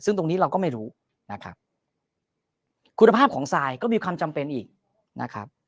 ซึ่งตรงนี้เราก็ไม่รู้นะครับคุณภาพของทรายก็มีความจำเป็นอีกนะครับ